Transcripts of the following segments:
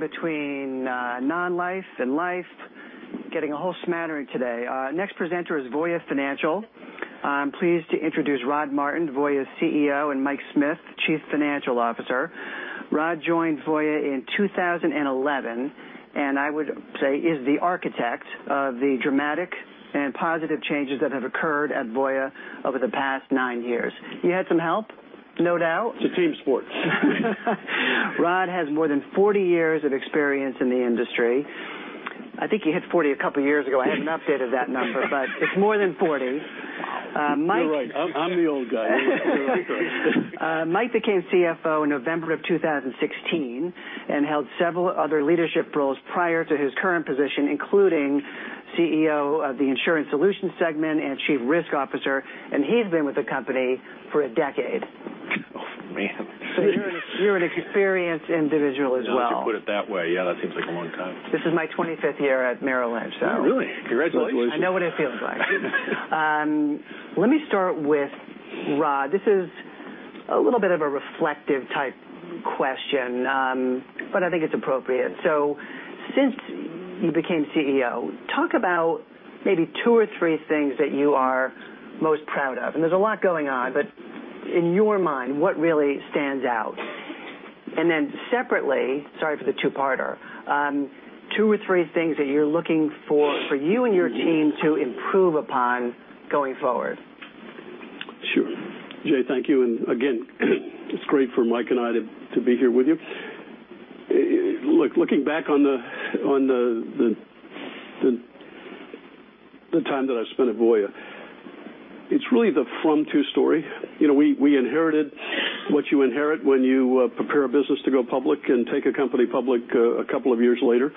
between non-life and life, getting a whole smattering today. Next presenter is Voya Financial. I'm pleased to introduce Rod Martin, Voya's CEO, and Mike Smith, Chief Financial Officer. Rod joined Voya in 2011, and I would say is the architect of the dramatic and positive changes that have occurred at Voya over the past nine years. He had some help, no doubt. It's a team sport. Rod has more than 40 years of experience in the industry. I think he hit 40 a couple years ago. I hadn't updated that number, but it's more than 40. Wow. You're right. I'm the old guy. You're right. Mike became CFO in November of 2016 and held several other leadership roles prior to his current position, including CEO of the Insurance Solutions segment and Chief Risk Officer. He's been with the company for a decade. Oh, man. You're an experienced individual as well. Now that you put it that way, yeah, that seems like a long time. This is my 25th year at Merrill Lynch. Oh, really? Congratulations. I know what it feels like. Let me start with Rod. This is a little bit of a reflective type question, but I think it's appropriate. Since you became CEO, talk about maybe two or three things that you are most proud of. There's a lot going on, but in your mind, what really stands out? Then separately, sorry for the two-parter, two or three things that you're looking for you and your team to improve upon going forward. Sure. Jay, thank you, and again, it's great for Mike and I to be here with you. Looking back on the time that I spent at Voya, it's really the from-to story. We inherited what you inherit when you prepare a business to go public and take a company public a couple of years later.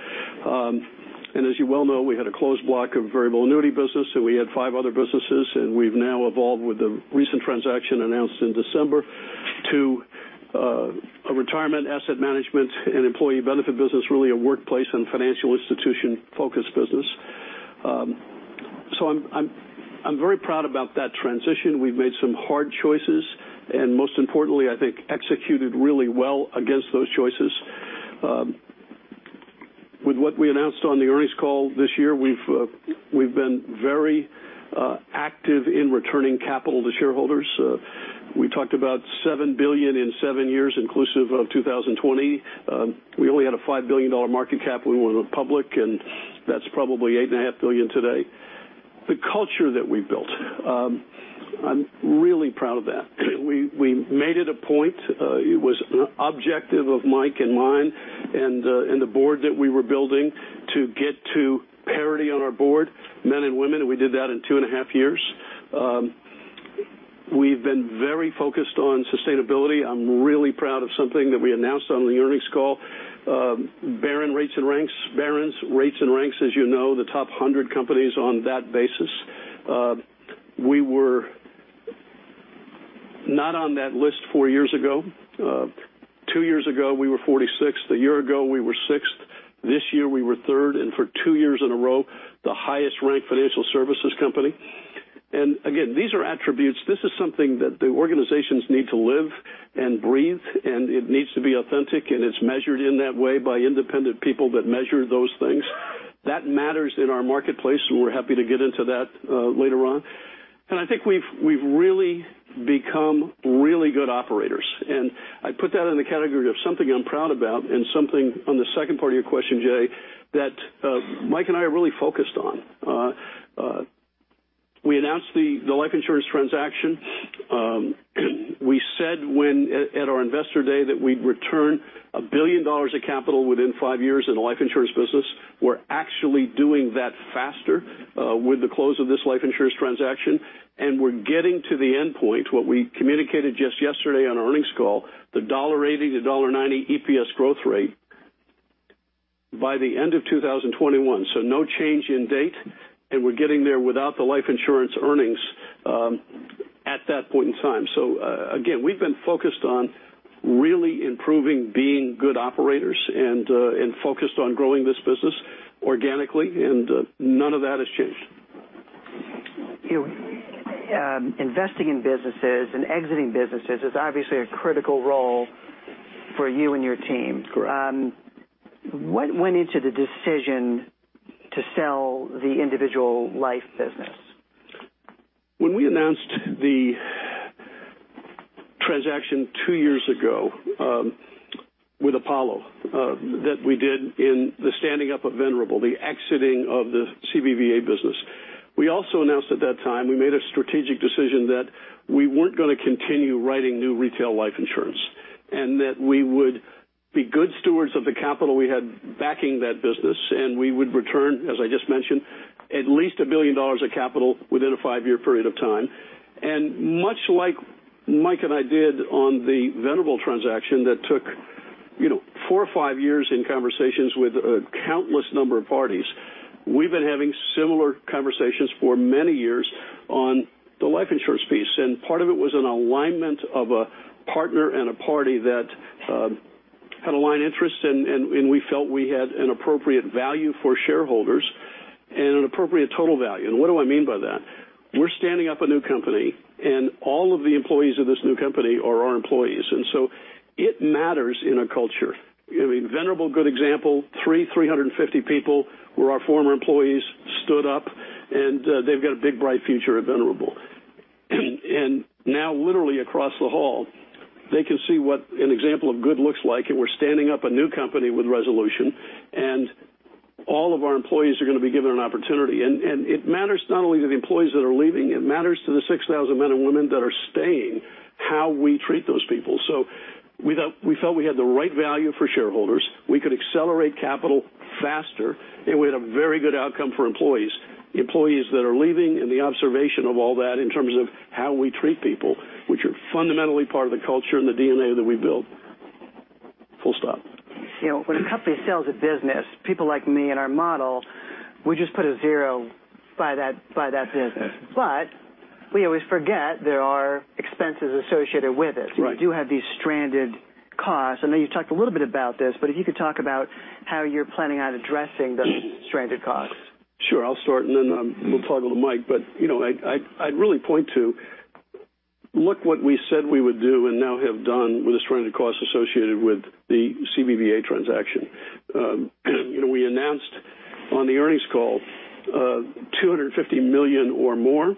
As you well know, we had a closed block of variable annuity business, so we had five other businesses, and we've now evolved with the recent transaction announced in December to a retirement asset management and employee benefit business, really a workplace and financial institution-focused business. I'm very proud about that transition. We've made some hard choices, and most importantly, I think executed really well against those choices. With what we announced on the earnings call this year, we've been very active in returning capital to shareholders. We talked about $7 billion in seven years, inclusive of 2020. We only had a $5 billion market cap when we went public, and that's probably $8.5 billion today. The culture that we've built, I'm really proud of that. We made it a point, it was an objective of Mike and mine and the board that we were building to get to parity on our board, men and women, and we did that in 2.5 years. We've been very focused on sustainability. I'm really proud of something that we announced on the earnings call. Barron's Rates and Ranks. Barron's Rates and Ranks, as you know, the top 100 companies on that basis. We were not on that list four years ago. Two years ago, we were 46th. A year ago, we were sixth. This year, we were third, for two years in a row, the highest-ranked financial services company. Again, these are attributes. This is something that the organizations need to live and breathe, and it needs to be authentic, and it's measured in that way by independent people that measure those things. That matters in our marketplace, and we're happy to get into that later on. I think we've really become really good operators. I put that in the category of something I'm proud about and something on the second part of your question, Jay, that Mike and I are really focused on. We announced the life insurance transaction. We said at our Investor Day that we'd return $1 billion of capital within five years in the life insurance business. We're actually doing that faster with the close of this life insurance transaction. We're getting to the endpoint, what we communicated just yesterday on our earnings call, the $1.80-$1.90 EPS growth rate by the end of 2021. No change in date, we're getting there without the life insurance earnings at that point in time. Again, we've been focused on really improving being good operators and focused on growing this business organically. None of that has changed. Investing in businesses and exiting businesses is obviously a critical role for you and your team. Correct. What went into the decision to sell the individual life business? When we announced the transaction 2 years ago with Apollo, that we did in the standing up of Venerable, the exiting of the CBVA business, we also announced at that time, we made a strategic decision that we weren't going to continue writing new retail life insurance, and that we would be good stewards of the capital we had backing that business, and we would return, as I just mentioned, at least $1 billion of capital within a 5-year period of time. Much like Mike and I did on the Venerable transaction that took four or five years in conversations with a countless number of parties, we've been having similar conversations for many years on the life insurance piece. Part of it was an alignment of a partner and a party that had aligned interests, and we felt we had an appropriate value for shareholders. An appropriate total value. What do I mean by that? We're standing up a new company, and all of the employees of this new company are our employees. So it matters in a culture. Venerable, good example, 350 people who are our former employees stood up, and they've got a big, bright future at Venerable. Now literally across the hall, they can see what an example of good looks like. We're standing up a new company with Resolution, and all of our employees are going to be given an opportunity. It matters not only to the employees that are leaving, it matters to the 6,000 men and women that are staying, how we treat those people. We felt we had the right value for shareholders. We could accelerate capital faster, and we had a very good outcome for employees, the employees that are leaving, and the observation of all that in terms of how we treat people, which are fundamentally part of the culture and the DNA that we build. Full stop. When a company sells a business, people like me and our model, we just put a zero by that business. Yes. We always forget there are expenses associated with it. Right. You do have these stranded costs. I know you talked a little bit about this, but if you could talk about how you're planning on addressing those stranded costs. Sure. I'll start, and then we'll toggle to Mike. I'd really point to look what we said we would do and now have done with the stranded costs associated with the CBVA transaction. We announced on the earnings call $250 million or more.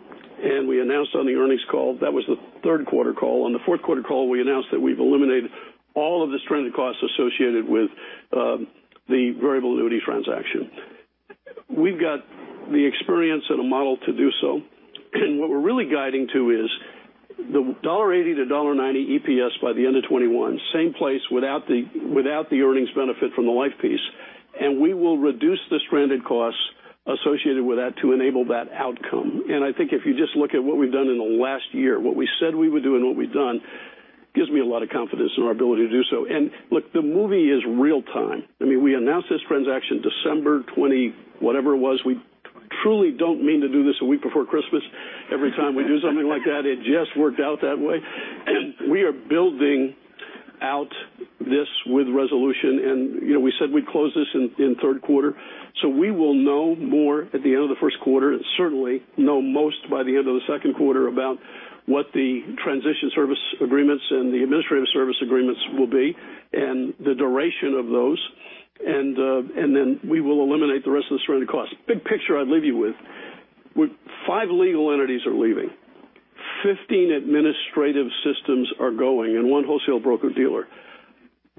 We announced on the earnings call, that was the third quarter call. On the fourth quarter call, we announced that we've eliminated all of the stranded costs associated with the variable annuity transaction. We've got the experience and a model to do so. What we're really guiding to is the $1.80 to $1.90 EPS by the end of 2021, same place without the earnings benefit from the life piece. We will reduce the stranded costs associated with that to enable that outcome. I think if you just look at what we've done in the last year, what we said we would do and what we've done, gives me a lot of confidence in our ability to do so. Look, the movie is real time. We announced this transaction December 20, whatever it was. We truly don't mean to do this a week before Christmas every time we do something like that. It just worked out that way. We are building out this with Resolution Life, we said we'd close this in third quarter. We will know more at the end of the first quarter, certainly know most by the end of the second quarter about what the transition service agreements and the administrative service agreements will be and the duration of those. Then we will eliminate the rest of the stranded costs. Big picture I'd leave you with, five legal entities are leaving, 15 administrative systems are going, and one wholesale broker-dealer.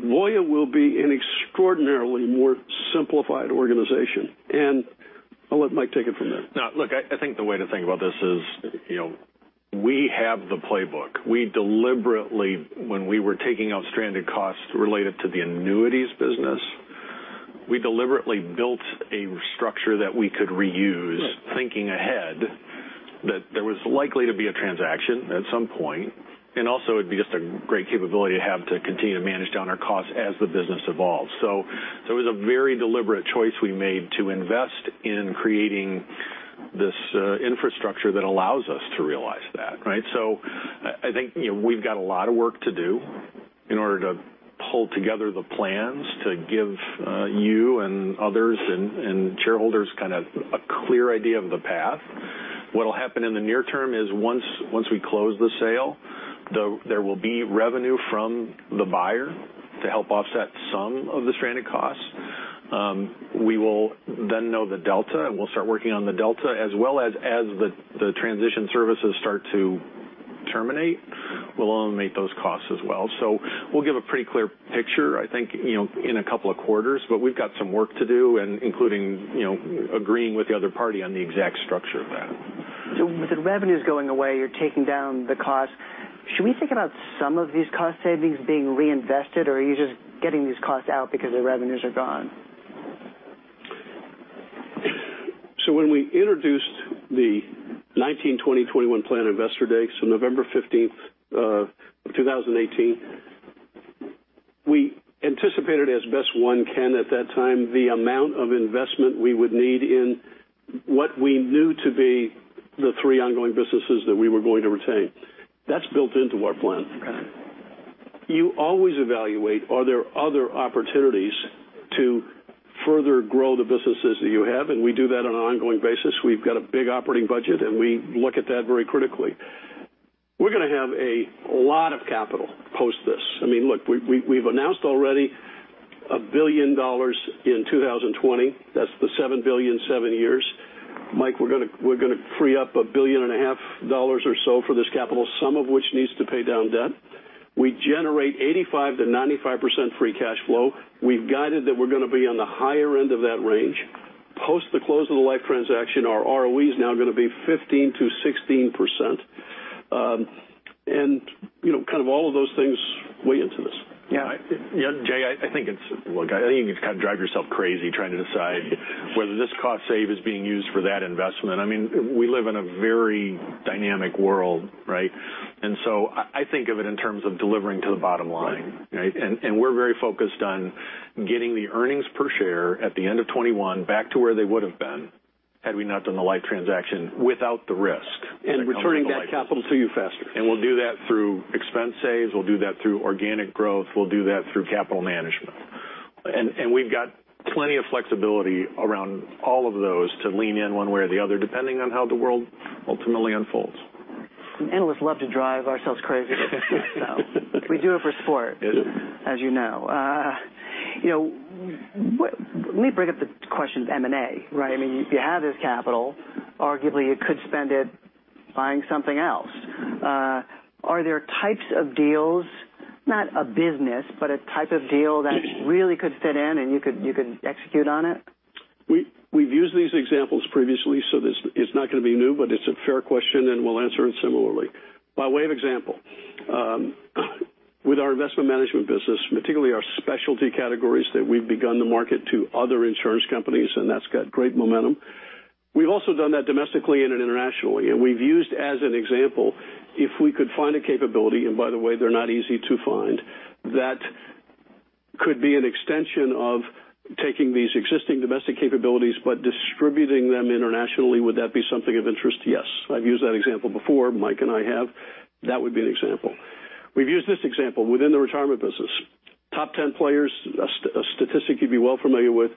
Voya will be an extraordinarily more simplified organization. I'll let Mike take it from there. I think the way to think about this is we have the playbook. When we were taking out stranded costs related to the annuities business, we deliberately built a structure that we could reuse thinking ahead that there was likely to be a transaction at some point, also it'd be just a great capability to have to continue to manage down our costs as the business evolves. It was a very deliberate choice we made to invest in creating this infrastructure that allows us to realize that, right? I think we've got a lot of work to do in order to pull together the plans to give you and others and shareholders kind of a clear idea of the path. What'll happen in the near term is once we close the sale, there will be revenue from the buyer to help offset some of the stranded costs. We will then know the delta, we'll start working on the delta, as well as the transition services start to terminate, we'll eliminate those costs as well. We'll give a pretty clear picture, I think, in a couple of quarters. We've got some work to do, including agreeing with the other party on the exact structure of that. With the revenues going away, you're taking down the cost. Should we think about some of these cost savings being reinvested, or are you just getting these costs out because the revenues are gone? When we introduced the 1920/21 plan, Investor Day, November 15th of 2018, we anticipated as best one can at that time the amount of investment we would need in what we knew to be the three ongoing businesses that we were going to retain. That's built into our plan. Okay. You always evaluate are there other opportunities to further grow the businesses that you have, and we do that on an ongoing basis. We've got a big operating budget, and we look at that very critically. We're going to have a lot of capital post this. Look, we've announced already $1 billion in 2020. That's the $7 billion, seven years. Mike, we're going to free up a billion and a half dollars or so for this capital, some of which needs to pay down debt. We generate 85%-95% free cash flow. We've guided that we're going to be on the higher end of that range. Post the close of the life transaction, our ROE is now going to be 15%-16%. Kind of all of those things weigh into this. Yeah, Jay, I think you can kind of drive yourself crazy trying to decide whether this cost save is being used for that investment. We live in a very dynamic world, right? I think of it in terms of delivering to the bottom line, right? Right. We're very focused on getting the earnings per share at the end of 2021 back to where they would've been had we not done the life transaction without the risk that comes with the life transaction. Returning that capital to you faster. We'll do that through expense saves. We'll do that through organic growth. We'll do that through capital management. We've got plenty of flexibility around all of those to lean in one way or the other, depending on how the world ultimately unfolds. Analysts love to drive ourselves crazy. We do it for sport. Yes as you know. Let me bring up the question of M&A, right? If you have this capital, arguably, you could spend it buying something else. Are there types of deals, not a business, but a type of deal that really could fit in and you could execute on it? We've used these examples previously, so this is not going to be new, but it's a fair question, and we'll answer it similarly. By way of example, with our Investment Management business, particularly our specialty categories that we've begun to market to other insurance companies, and that's got great momentum. We've also done that domestically and internationally, and we've used as an example, if we could find a capability, and by the way, they're not easy to find, that could be an extension of taking these existing domestic capabilities but distributing them internationally. Would that be something of interest? Yes. I've used that example before, Mike and I have. That would be an example. We've used this example within the retirement business. Top 10 players, a statistic you'd be well familiar with,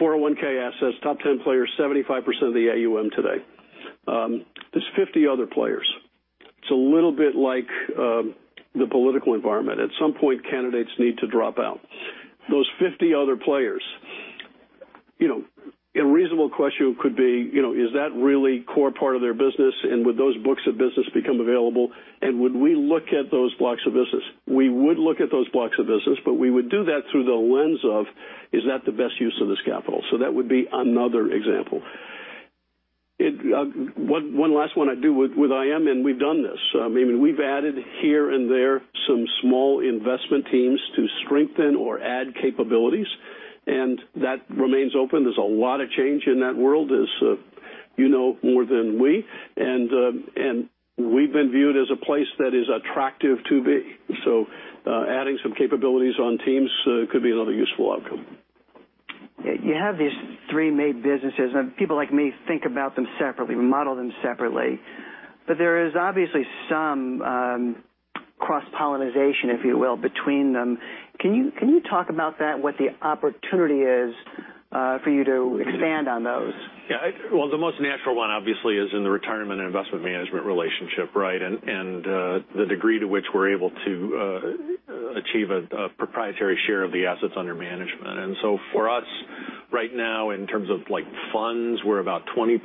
401(k) assets, top 10 players, 75% of the AUM today. There's 50 other players. It's a little bit like the political environment. At some point, candidates need to drop out. Those 50 other players, a reasonable question could be, is that really core part of their business, and would those books of business become available, and would we look at those blocks of business? We would look at those blocks of business, but we would do that through the lens of, is that the best use of this capital? That would be another example. One last one I'd do with IM. We've done this. We've added here and there some small investment teams to strengthen or add capabilities. That remains open. There's a lot of change in that world as you know more than we. We've been viewed as a place that is attractive to be. Adding some capabilities on teams could be another useful outcome. You have these three main businesses, people like me think about them separately. We model them separately. There is obviously some cross-pollination, if you will, between them. Can you talk about that, what the opportunity is for you to expand on those? The most natural one, obviously, is in the retirement and investment management relationship, right? The degree to which we're able to achieve a proprietary share of the assets under management. For us, right now, in terms of funds, we're about 20%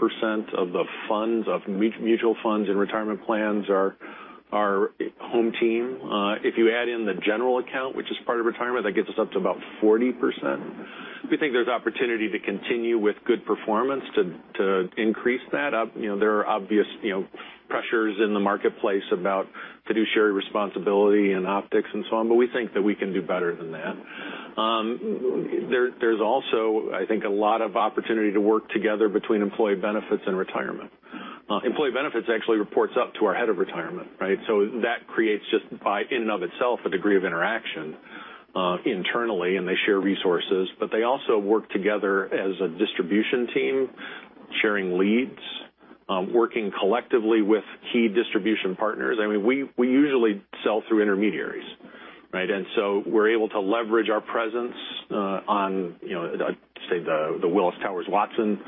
of the funds, of mutual funds in retirement plans are home team. If you add in the general account, which is part of retirement, that gets us up to about 40%. We think there's opportunity to continue with good performance to increase that up. There are obvious pressures in the marketplace about fiduciary responsibility and optics and so on, but we think that we can do better than that. There's also, I think, a lot of opportunity to work together between employee benefits and retirement. Employee benefits actually reports up to our head of retirement. That creates just by in and of itself, a degree of interaction internally, and they share resources, but they also work together as a distribution team, sharing leads, working collectively with key distribution partners. We usually sell through intermediaries. We're able to leverage our presence on say the Willis Towers Watson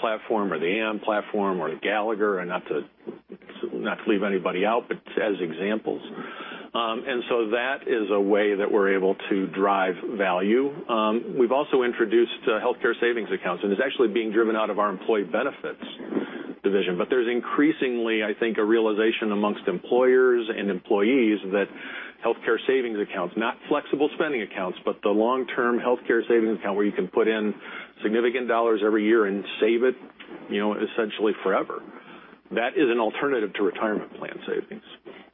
platform or the AM platform or the Gallagher, and not to leave anybody out, but as examples. That is a way that we're able to drive value. We've also introduced Health Savings Accounts, it's actually being driven out of our employee benefits division. There's increasingly, I think, a realization amongst employers and employees that Health Savings Accounts, not flexible spending accounts, but the long-term healthcare savings account where you can put in significant dollars every year and save it essentially forever. That is an alternative to retirement plan savings.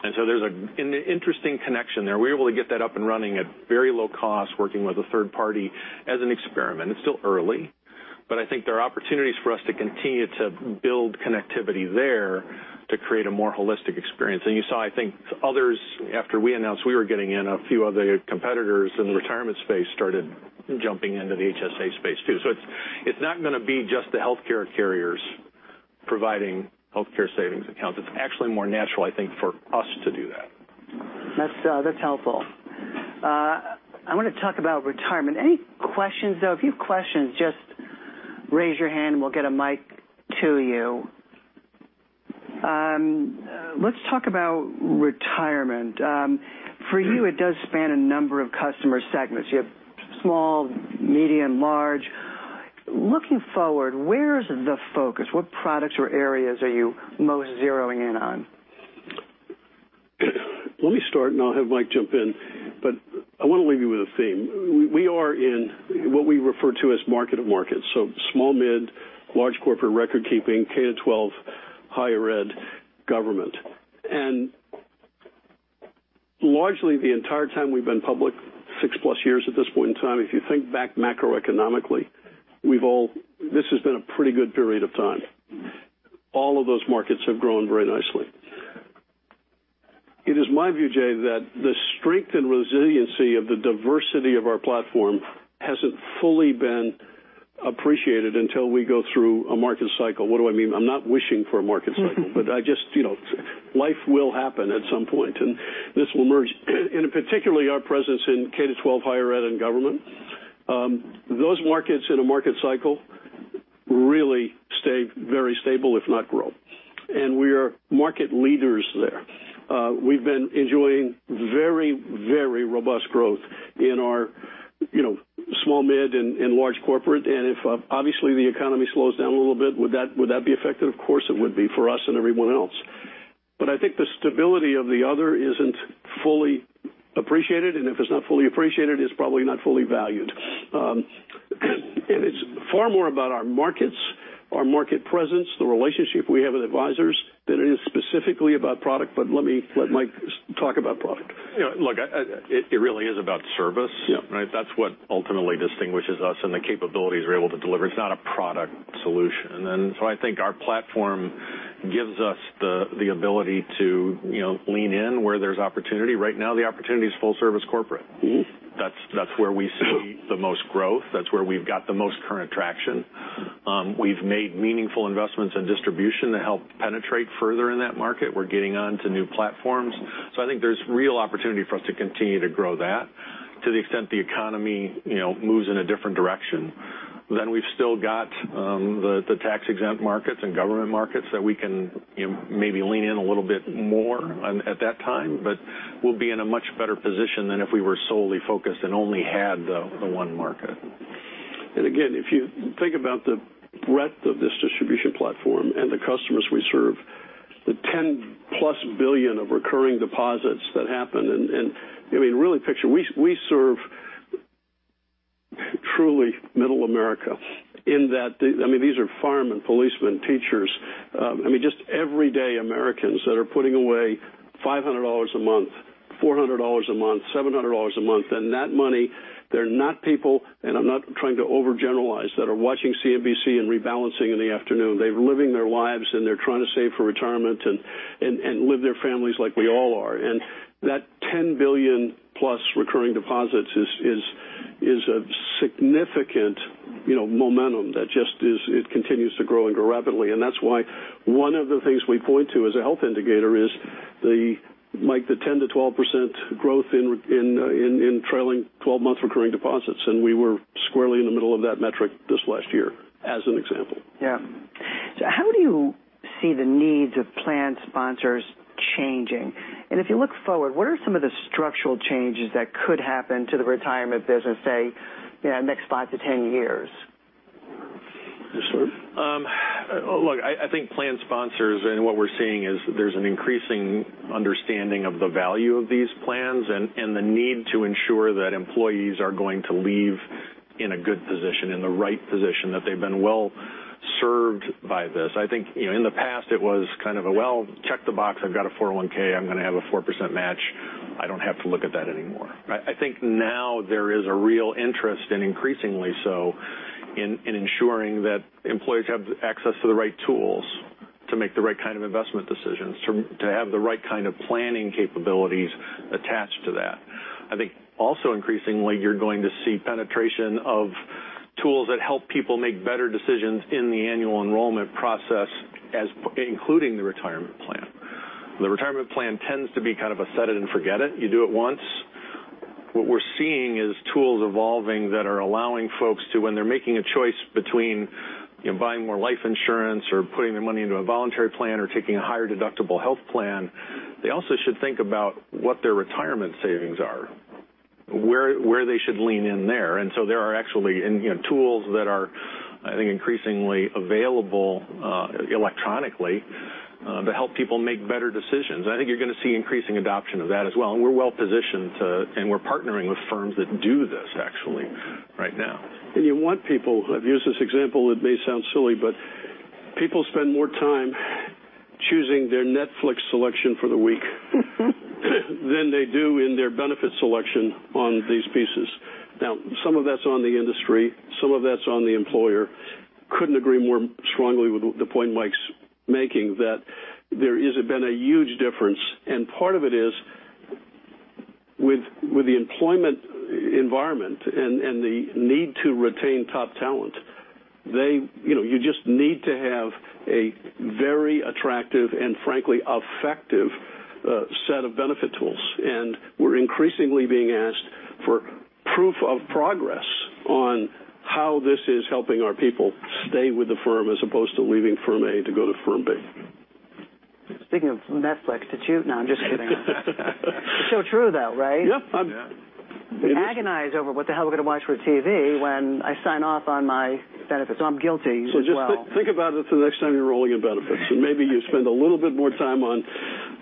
There's an interesting connection there. We're able to get that up and running at very low cost, working with a third party as an experiment. It's still early, but I think there are opportunities for us to continue to build connectivity there to create a more holistic experience. You saw, I think, others after we announced we were getting in, a few other competitors in the retirement space started jumping into the HSA space, too. It's not going to be just the healthcare carriers providing Health Savings Accounts. It's actually more natural, I think, for us to do that. That's helpful. I want to talk about retirement. Any questions, though? If you've questions, just raise your hand, and we'll get a mic to you. Let's talk about retirement. For you, it does span a number of customer segments. You have small, medium, large. Looking forward, where's the focus? What products or areas are you most zeroing in on? Let me start, and I'll have Mike jump in. I want to leave you with a theme. We are in what we refer to as market of markets, so small, mid, large corporate record keeping, K to 12, higher ed, government. Largely the entire time we've been public, six plus years at this point in time, if you think back macroeconomically, this has been a pretty good period of time. All of those markets have grown very nicely. It is my view, Jay, that the strength and resiliency of the diversity of our platform hasn't fully been appreciated until we go through a market cycle. What do I mean? I'm not wishing for a market cycle, but Life will happen at some point, and this will merge. Particularly our presence in K to 12 higher ed and government. Those markets in a market cycle really stay very stable, if not grow. We are market leaders there. We've been enjoying very, very robust growth in our small, mid, and large corporate. If, obviously, the economy slows down a little bit, would that be effective? Of course, it would be for us and everyone else. I think the stability of the other isn't fully appreciated, and if it's not fully appreciated, it's probably not fully valued. It's far more about our markets, our market presence, the relationship we have with advisors, than it is specifically about product. Let Mike talk about product. Look, it really is about service. Yeah. Right? That's what ultimately distinguishes us and the capabilities we're able to deliver. It's not a product solution. I think our platform gives us the ability to lean in where there's opportunity. Right now, the opportunity is Full Service Corporate. That's where we see the most growth. That's where we've got the most current traction. We've made meaningful investments in distribution to help penetrate further in that market. We're getting onto new platforms. I think there's real opportunity for us to continue to grow that to the extent the economy moves in a different direction. We've still got the tax-exempt markets and government markets that we can maybe lean in a little bit more at that time. We'll be in a much better position than if we were solely focused and only had the one market. Again, if you think about the breadth of this distribution platform and the customers we serve, the $10-plus billion of recurring deposits that happen, and really picture, we serve truly middle America in that these are firemen, policemen, teachers. Just everyday Americans that are putting away $500 a month, $400 a month, $700 a month. That money, they're not people, and I'm not trying to overgeneralize, that are watching CNBC and rebalancing in the afternoon. They're living their lives, and they're trying to save for retirement, and live their families like we all are. That $10 billion-plus recurring deposits is a significant momentum that just continues to grow and grow rapidly. That's why one of the things we point to as a health indicator is the, Mike, the 10%-12% growth in trailing 12 months recurring deposits. We were squarely in the middle of that metric this last year, as an example. Yeah. How do you see the needs of plan sponsors changing? If you look forward, what are some of the structural changes that could happen to the retirement business, say, next five to 10 years? This one? Look, I think plan sponsors, and what we're seeing is there's an increasing understanding of the value of these plans and the need to ensure that employees are going to leave in a good position, in the right position, that they've been well-served by this. I think, in the past it was kind of a well, check the box, I've got a 401, I'm going to have a 4% match. I don't have to look at that anymore. I think now there is a real interest, and increasingly so, in ensuring that employees have access to the right tools to make the right kind of investment decisions, to have the right kind of planning capabilities attached to that. I think also increasingly, you're going to see penetration of tools that help people make better decisions in the annual enrollment process, including the retirement plan. The retirement plan tends to be kind of a set it and forget it. You do it once. What we're seeing is tools evolving that are allowing folks to, when they're making a choice between buying more life insurance or putting their money into a voluntary plan or taking a higher deductible health plan, they also should think about what their retirement savings are, where they should lean in there. There are actually tools that are, I think, increasingly available electronically to help people make better decisions. I think you're going to see increasing adoption of that as well, and we're well-positioned to, and we're partnering with firms that do this actually right now. You want people who, I've used this example, it may sound silly, but people spend more time choosing their Netflix selection for the week than they do in their benefit selection on these pieces. Some of that's on the industry, some of that's on the employer. Couldn't agree more strongly with the point Mike's making that there has been a huge difference, and part of it is with the employment environment and the need to retain top talent. You just need to have a very attractive and frankly, effective set of benefit tools. We're increasingly being asked for proof of progress on how this is helping our people stay with the firm as opposed to leaving firm A to go to firm B. Speaking of Netflix, No, I'm just kidding. True though, right? Yeah. Yeah. I agonize over what the hell we're going to watch for TV when I sign off on my benefits. I'm guilty as well. Just think about it for the next time you're enrolling in benefits, and maybe you spend a little bit more time on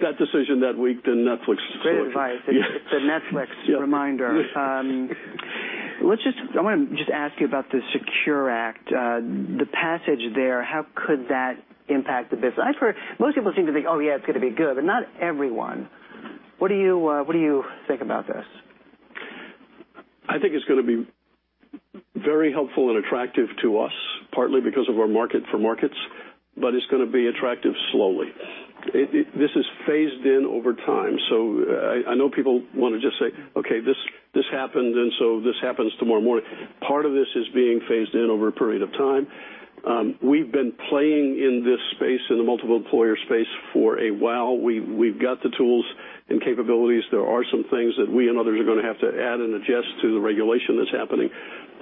that decision that week than Netflix. Great advice. It's a Netflix reminder. I want to just ask you about the SECURE Act, the passage there. How could that impact the business? Most people seem to think, oh, yeah, it's going to be good, but not everyone. What do you think about this? I think it's going to be very helpful and attractive to us, partly because of our market for markets, but it's going to be attractive slowly. This is phased in over time. I know people want to just say, okay, this happened, and so this happens tomorrow morning. Part of this is being phased in over a period of time. We've been playing in this space, in the multiple employer space, for a while. We've got the tools and capabilities. There are some things that we and others are going to have to add and adjust to the regulation that's happening.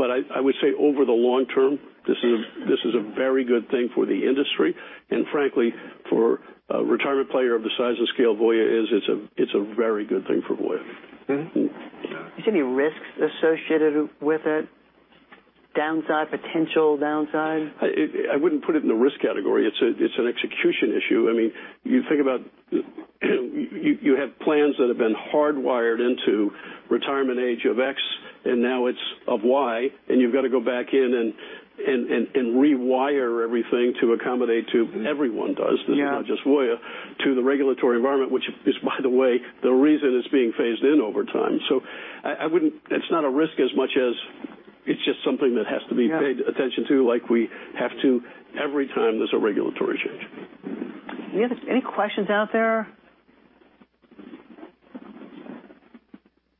I would say, over the long term, this is a very good thing for the industry, and frankly, for a retirement player of the size and scale Voya is, it's a very good thing for Voya. Mm-hmm. You see any risks associated with it? Downside, potential downside? I wouldn't put it in the risk category. It's an execution issue. You think about, you have plans that have been hardwired into retirement age of X, and now it's of Y, and you've got to go back in and rewire everything to accommodate to. Yeah this is not just Voya, to the regulatory environment, which is, by the way, the reason it's being phased in over time. It's not a risk as much as it's just something that has to be. Yeah Paid attention to, like we have to every time there's a regulatory change. Any questions out there?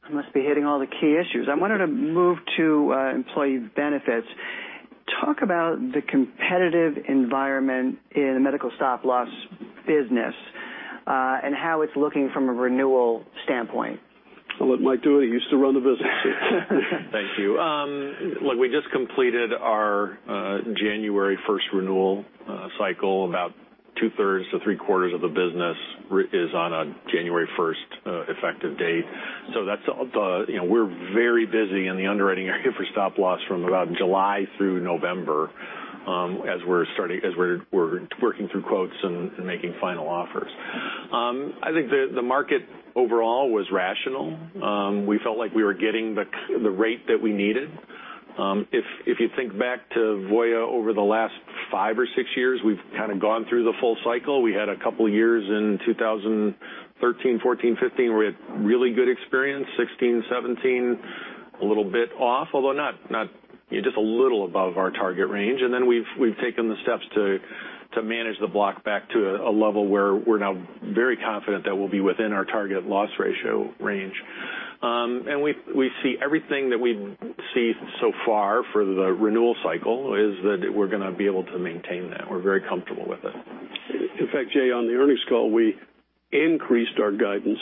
I must be hitting all the key issues. I wanted to move to employee benefits. Talk about the competitive environment in the medical stop-loss business, and how it's looking from a renewal standpoint. I'll let Mike do it. He used to run the business. Thank you. We just completed our January 1st renewal cycle. About two-thirds to three-quarters of the business is on a January 1st effective date. We're very busy in the underwriting area for stop-loss from about July through November, as we're working through quotes and making final offers. I think the market overall was rational. We felt like we were getting the rate that we needed. If you think back to Voya over the last five or six years, we've kind of gone through the full cycle. We had a couple years in 2013, 2014, 2015, where we had really good experience. 2016, 2017, a little bit off, although just a little above our target range. We've taken the steps to manage the block back to a level where we're now very confident that we'll be within our target loss ratio range. Everything that we see so far for the renewal cycle is that we're going to be able to maintain that. We're very comfortable with it. In fact, Jay, on the earnings call, we increased our guidance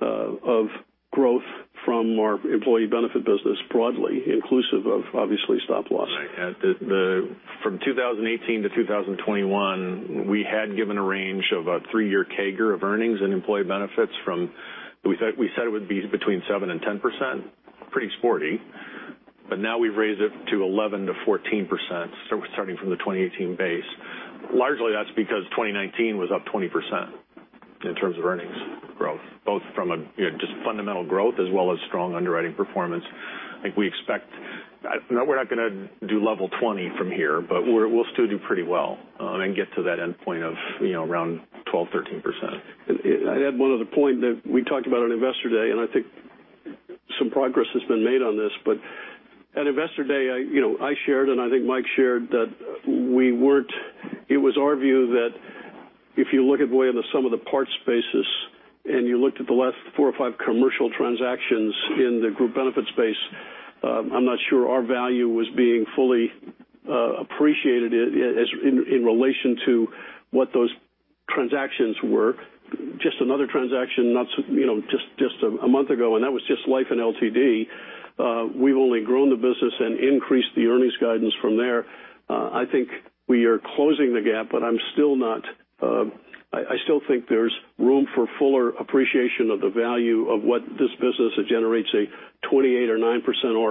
of growth from our employee benefit business broadly, inclusive of, obviously, stop-loss. Right. From 2018 to 2021, we had given a range of a three-year CAGR of earnings and employee benefits. We said it would be between 7% and 10%, pretty sporty, but now we've raised it to 11%-14%, starting from the 2018 base. Largely, that's because 2019 was up 20% in terms of earnings growth, both from just fundamental growth as well as strong underwriting performance. No, we're not going to do level 20 from here, but we'll still do pretty well, and get to that end point of around 12%, 13%. I'd add one other point that we talked about on Investor Day, and I think some progress has been made on this. At Investor Day, I shared, and I think Mike shared, that it was our view that if you look at Voya on the sum of the parts basis, and you looked at the last four or five commercial transactions in the group benefit space, I'm not sure our value was being fully appreciated in relation to what those transactions were. Just another transaction just a month ago, and that was just life and LTD. We've only grown the business and increased the earnings guidance from there. I think we are closing the gap, but I still think there's room for fuller appreciation of the value of what this business, it generates a 28% or 29%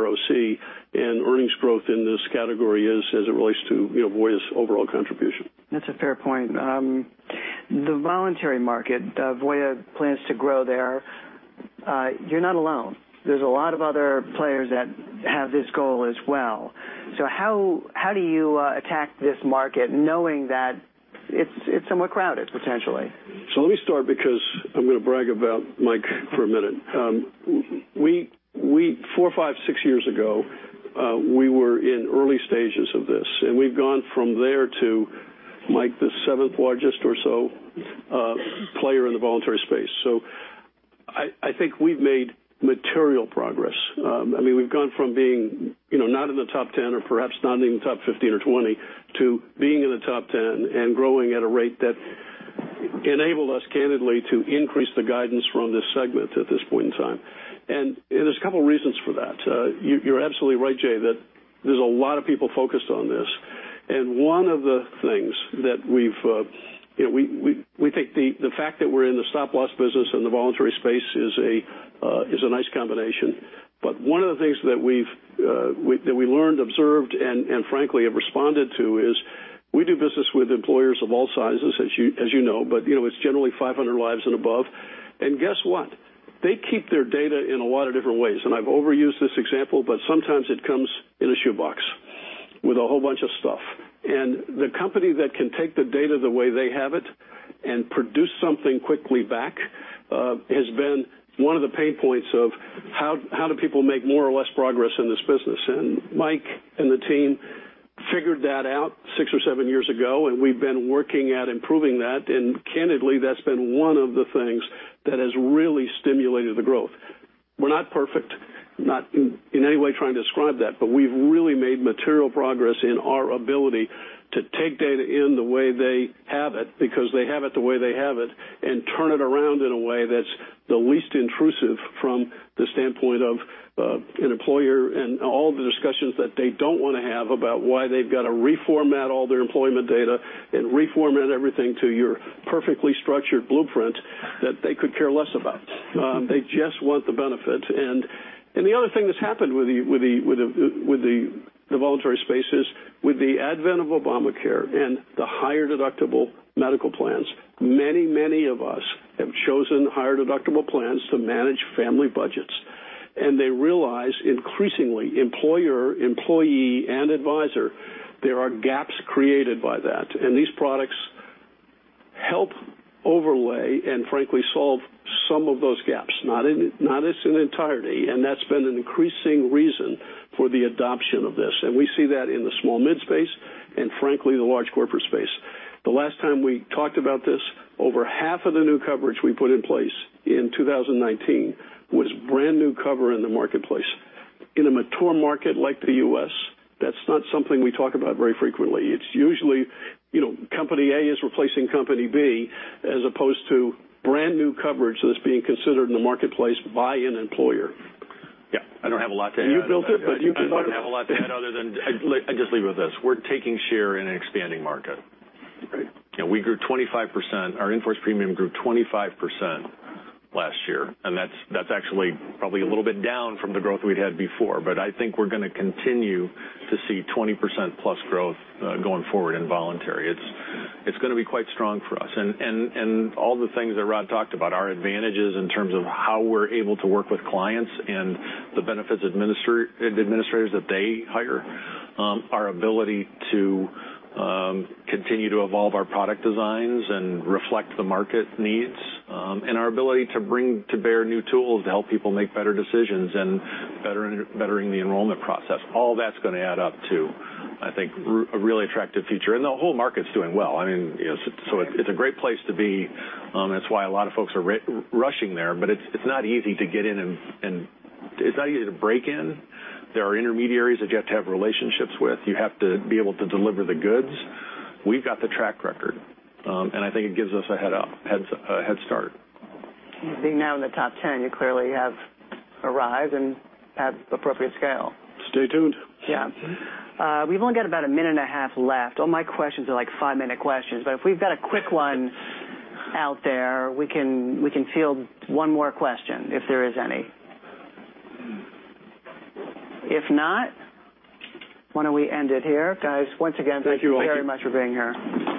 ROC, and earnings growth in this category is as it relates to Voya's overall contribution. That's a fair point. The voluntary market, Voya plans to grow there. You're not alone. There's a lot of other players that have this goal as well. How do you attack this market knowing that it's somewhat crowded, potentially? Let me start because I'm going to brag about Mike for a minute. Four, five, six years ago, we were in early stages of this, and we've gone from there to, Mike, the seventh largest or so player in the voluntary space. I think we've made material progress. We've gone from being not in the top 10 or perhaps not even top 15 or 20 to being in the top 10 and growing at a rate that enabled us, candidly, to increase the guidance from this segment at this point in time. There's a couple of reasons for that. You're absolutely right, Jay, that there's a lot of people focused on this. We think the fact that we're in the stop-loss business in the voluntary space is a nice combination. One of the things that we learned, observed, and frankly have responded to is we do business with employers of all sizes, as you know, but it's generally 500 lives and above. Guess what? They keep their data in a lot of different ways. I've overused this example, but sometimes it comes in a shoebox with a whole bunch of stuff. The company that can take the data the way they have it and produce something quickly back has been one of the pain points of how do people make more or less progress in this business. Mike and the team figured that out six or seven years ago, and we've been working at improving that. Candidly, that's been one of the things that has really stimulated the growth. We're not perfect, not in any way trying to describe that, but we've really made material progress in our ability to take data in the way they have it, because they have it the way they have it, and turn it around in a way that's the least intrusive from the standpoint of an employer and all the discussions that they don't want to have about why they've got to reformat all their employment data and reformat everything to your perfectly structured blueprint that they could care less about. They just want the benefit. The other thing that's happened with the voluntary space is, with the advent of Obamacare and the higher deductible medical plans, many of us have chosen higher deductible plans to manage family budgets. They realize increasingly, employer, employee, and advisor, there are gaps created by that. These products help overlay and frankly solve some of those gaps, not as an entirety. That's been an increasing reason for the adoption of this. We see that in the small mid space and frankly, the large corporate space. The last time we talked about this, over half of the new coverage we put in place in 2019 was brand-new cover in the marketplace. In a mature market like the U.S., that's not something we talk about very frequently. It's usually Company A is replacing Company B as opposed to brand-new coverage that's being considered in the marketplace by an employer. Yeah, I don't have a lot to add other than- You built it, you can talk. I don't have a lot to add other than, I just leave it with this. We're taking share in an expanding market. Right. Our in-force premium grew 25% last year, that's actually probably a little bit down from the growth we'd had before. I think we're going to continue to see 20%+ growth going forward in voluntary. It's going to be quite strong for us. All the things that Rod talked about, our advantages in terms of how we're able to work with clients and the benefits administrators that they hire, our ability to continue to evolve our product designs and reflect the market needs, our ability to bring to bear new tools to help people make better decisions and bettering the enrollment process. All that's going to add up to, I think, a really attractive future. The whole market's doing well. It's a great place to be. That's why a lot of folks are rushing there. It's not easy to break in. There are intermediaries that you have to have relationships with. You have to be able to deliver the goods. We've got the track record. I think it gives us a head start. Being now in the top 10, you clearly have arrived and have appropriate scale. Stay tuned. Yeah. We've only got about a minute and a half left. All my questions are five-minute questions. If we've got a quick one out there, we can field one more question, if there is any. If not, why don't we end it here? Guys, once again- Thank you all. Thank you very much for being here.